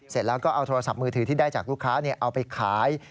เสร็จแล้วก็เอาโทรศัพท์มือถือที่ได้จากลูกค้าเอาไปขาย